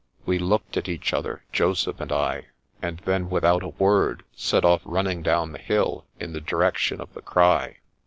We looked at each other, Joseph and I, and then without a word set off running down the hill, in the direction of the cry.